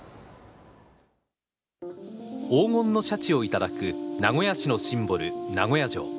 黄金のシャチを頂く名古屋市のシンボル、名古屋城。